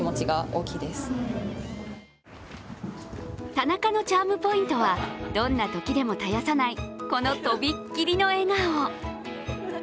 田中のチャームポイントはどんなときでも絶やさないこのとびっきりの笑顔。